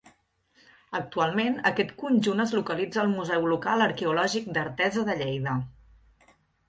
Actualment aquest conjunt es localitza al Museu Local Arqueològic d'Artesa de Lleida.